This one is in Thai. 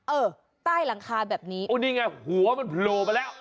เออใต้หลังคาแบบนี้โอ้นี่ไงหัวมันโผล่มาแล้ว